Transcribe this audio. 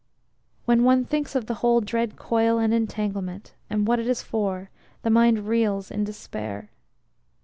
When one thinks of the whole dread Coil and Entanglement, and, what it is for, the mind reels in despair.